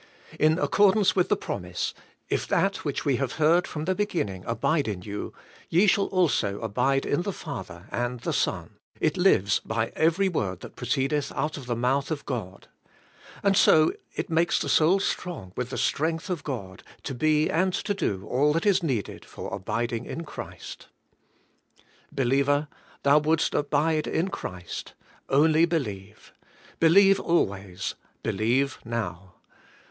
In accordance with the promise, *If that which we have heard from the be 48 ABIDE IN CHRIST: ginning abide in you, ye shall also abide in the Father and the Son,' it lives by every word that proceedeth out of the mouth of God. And so it makes the soul strong with the strength of God, to be and to do all that is needed for abiding in Christ. Believer, thou wouldest abide in Christ: only be lieve. Believe always ; believe now.